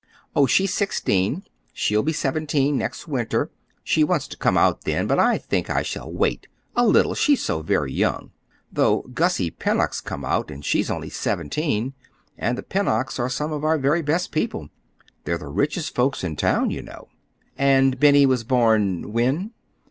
"Oh, she's sixteen. She'll be seventeen next winter. She wants to come out then, but I think I shall wait—a little, she's so very young; though Gussie Pennock's out, and she's only seventeen, and the Pennocks are some of our very best people. They're the richest folks in town, you know." "And Benny was born—when?"